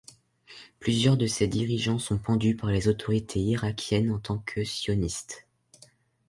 Plusieurs de ses dirigeants sont pendus par les autorités irakiennes en tant que… sionistes.